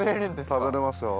食べれますよ。